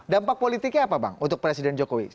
dampak politiknya apa bang untuk presiden jokowi